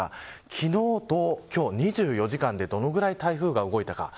昨日と今日、２４時間でどの程度台風が動いたか。